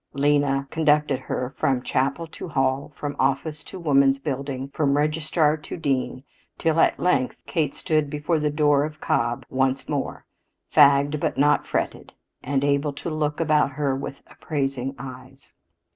Lena conducted her from chapel to hall, from office to woman's building, from registrar to dean, till at length Kate stood before the door of Cobb once more, fagged but not fretted, and able to look about her with appraising eyes.